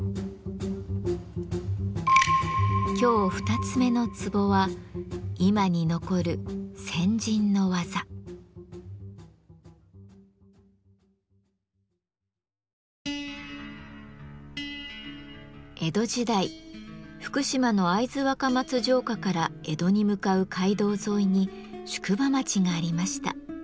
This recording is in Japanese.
今日二つ目のツボは江戸時代福島の会津若松城下から江戸に向かう街道沿いに宿場町がありました。